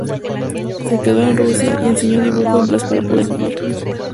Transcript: Se quedó en Rusia y enseñó dibujo en varias escuelas para poder vivir.